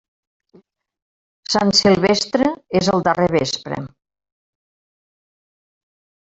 Sant Silvestre és el darrer vespre.